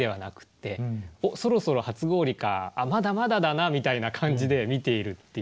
「おっそろそろ初氷かまだまだだな」みたいな感じで見ているっていう。